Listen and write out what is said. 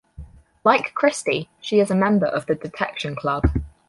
Like Christie, she is a member of the Detection Club.